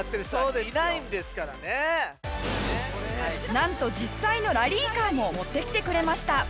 なんと実際のラリーカーも持ってきてくれました